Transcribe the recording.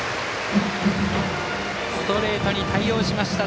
ストレートに対応しました。